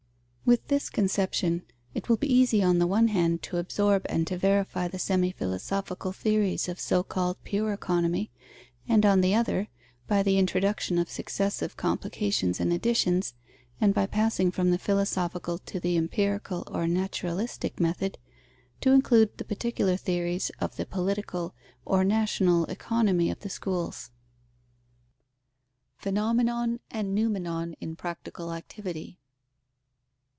With this conception, it will be easy on the one hand to absorb and to verify the semi philosophical theories of so called pure economy, and on the other, by the introduction of successive complications and additions, and by passing from the philosophical to the empirical or naturalistic method, to include the particular theories of the political or national economy of the schools. _Phenomenon and noumenon in practical activity.